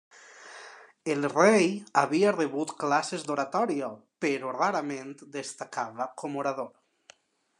El rei havia rebut classes d'oratòria però rarament destacava com orador.